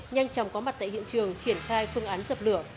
nhanh chóng có mặt tại hiện trường triển khai phương án dập lửa